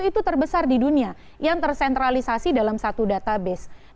itu terbesar di dunia yang tersentralisasi dalam satu database